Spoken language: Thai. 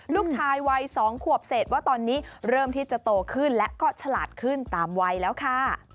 ลูกชายวัย๒ขวบเศษว่าตอนนี้เริ่มที่จะโตขึ้นและก็ฉลาดขึ้นตามวัยแล้วค่ะ